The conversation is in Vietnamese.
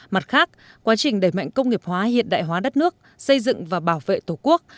mặt khác quá trình đẩy mạnh công nghiệp hóa hiện đại hóa đất nước xây dựng và bảo vệ tổ quốc